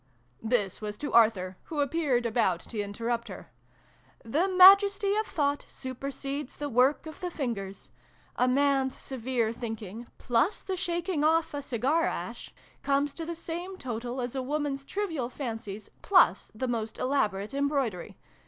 " (This was to Arthur, who appeared about to interrupt her.) " The Majesty of Thought supersedes the xvi] BEYOND THESE VOICES. 255 work of the fingers. A Man's severe thinking, plus the shaking off a cigar ash, comes to the same total as a Woman's trivial fancies, plus the most elaborate embroidery.